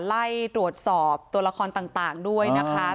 ไล่ตรวจสอบตัวละครต่างด้วยนะคะ